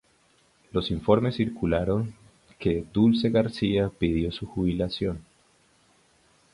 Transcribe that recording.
Los informes circularon que Dulce García pidió su jubilación.